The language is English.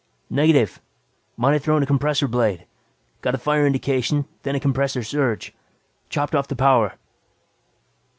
"Negative. Might have thrown a compressor blade. Got a fire indication, then a compressor surge. Chopped off the power."